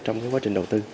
trong quá trình đầu tư